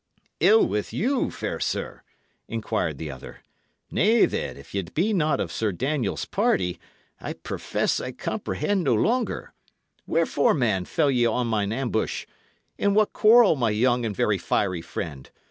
"Ill with you, fair sir?" inquired the other. "Nay, then, if ye be not of Sir Daniel's party, I profess I comprehend no longer. Wherefore, then, fell ye upon mine ambush? in what quarrel, my young and very fiery friend?